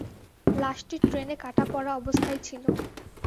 লাশটি ট্রেনে কাটা পড়া অবস্থায় ছিল।